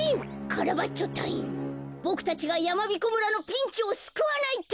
ボクたちがやまびこ村のピンチをすくわないと。